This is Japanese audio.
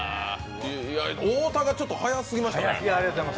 太田がちょっと速すぎましたね。